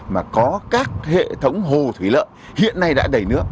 mà có các hệ thống hồ thủy lợi hiện nay đã đầy nước